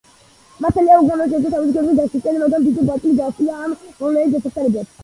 მართალია, ოლღამ ვერ შეძლო თავის ქვეყნის გაქრისტიანება, მაგრამ დიდი ღვაწლი გასწია ამ მოვლენის დასაჩქარებლად.